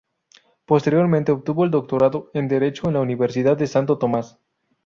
Posteriormente obtuvo el doctorado en Derecho en la Universidad de Santo Tomás.